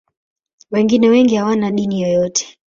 Wengine wengi hawana dini yoyote.